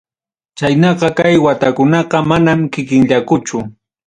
Chaynaqa kay watakunaqa manam kikinllakuchu.